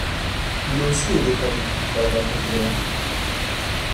Lui aussi est défendu, madame la présidente.